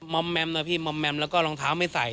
อมแมมนะพี่มอมแมมแล้วก็รองเท้าไม่ใส่